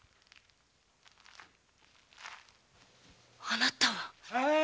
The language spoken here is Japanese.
あなたは？